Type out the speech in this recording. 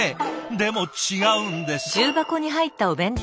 でも違うんです。